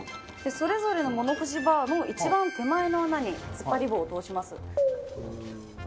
それぞれの物干しバーの一番手前の穴につっぱり棒を通します。